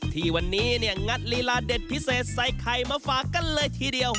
ที่วันนี้เนี่ยงัดลีลาเด็ดพิเศษใส่ไข่มาฝากกันเลยทีเดียว